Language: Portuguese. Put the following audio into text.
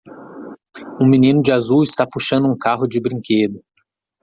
Um menino de azul está puxando um carro de brinquedo.